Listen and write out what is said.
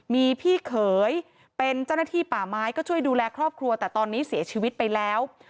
มีพี่เขยเป็นเจ้าหน้าที่ป่าไม้ก็ช่วยดูแลครอบครัวแต่ตอนนี้เสียชีวิตไปแล้ว